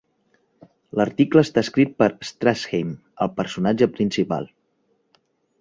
L'article està escrit per Strasheim, el personatge principal.